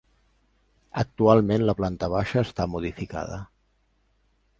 Actualment la planta baixa està modificada.